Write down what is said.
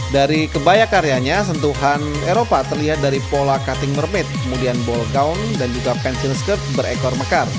dari kebaya karyanya sentuhan eropa terlihat dari pola cutting mermaid kemudian ball count dan juga pensil skip berekor mekar